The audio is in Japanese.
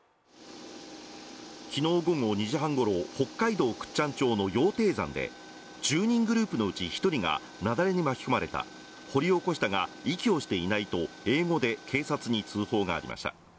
昨日午後２時半頃、北海道倶知安町の羊蹄山で１０人グループのうち１人が雪崩に巻き込まれた、掘り起こしたが、息をしていないと英語で警察に通報がありました。